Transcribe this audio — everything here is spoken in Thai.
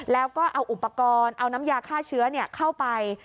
แล้วก็เอาอุปกรณ์เอาน้ำยาฆ่าเชื้อเข้าไป